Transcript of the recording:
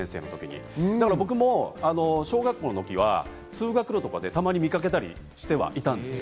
僕も小学校の時は通学路とかでたまに見かけたりしてはいたんです。